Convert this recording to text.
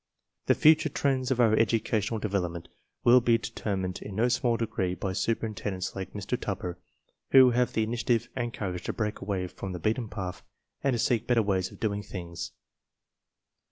The fu ture trends of our educational development will be determined in no small degree by superintendents like Mr. Tupper who have the initiative and courage to break away from the beaten path and to seek better ways of doing things.